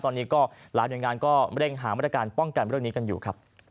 พนักงานเร่งหาวิตาการป้องกันบ้าง